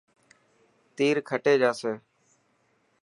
تير کٽي جاسي.